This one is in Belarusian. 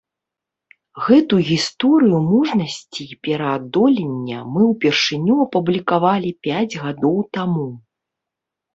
Гэту гісторыю мужнасці і пераадолення мы ўпершыню апублікавалі пяць гадоў таму.